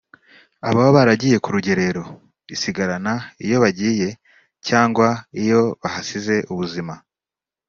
ababa baragiye ku rugerero isigarana iyo bagiye cyangwa iyo bahasize ubuzima